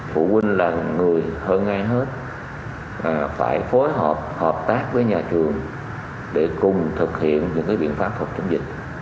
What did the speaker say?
phụ huynh là người hơn ai hết phải phối hợp hợp tác với nhà trường để cùng thực hiện những biện pháp phòng chống dịch